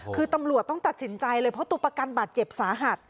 คือตำรวจต้องตัดสินใจเลยเพราะตัวประกันบาดเจ็บสาหัส